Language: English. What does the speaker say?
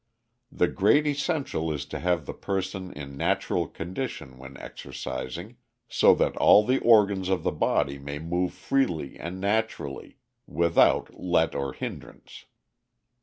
The great essential is to have the person in natural condition when exercising, so that all the organs of the body may move freely and naturally, without let or hindrance.